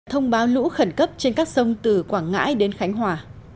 thông báo lũ khẩn cấp trên các sông từ quảng ngãi đến khánh hòa